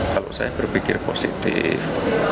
kalau saya berpikir positif